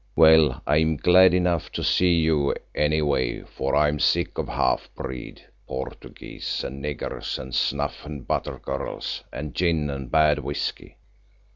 Well, I am glad enough to see you any way, for I am sick of half breed Portuguese and niggers, and snuff and butter girls, and gin and bad whisky.